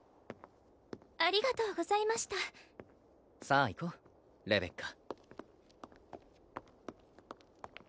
ありがとうございましたさあ行こうレベッカ